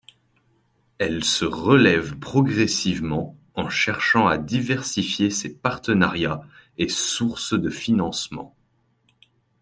Elle se relève progressivement en cherchant à diversifier ses partenariats et sources de financements.